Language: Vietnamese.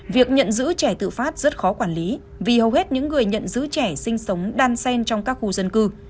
việc nhận giữ trẻ tự phát rất khó quản lý vì hầu hết những người nhận giữ trẻ sinh sống đan sen trong các khu dân cư